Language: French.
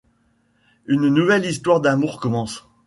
Une nouvelle histoire d'amour commence.